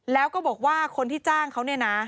แล้วก็บอกว่าคนที่จ้างเขาเนี่ยนะ